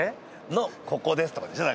「のここです」とかでしょ？